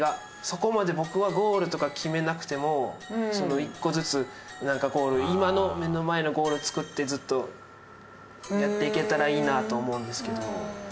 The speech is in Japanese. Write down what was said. そこまで僕はゴールとか決めなくても１個ずつなんかこう今の目の前のゴールを作ってずっとやっていけたらいいなと思うんですけど。